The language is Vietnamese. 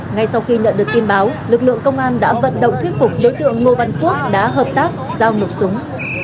ngay sau khi nhận được tin báo lực lượng công an đã vận động thuyết phục đối tượng ngô văn quốc đã hợp tác giao nộp súng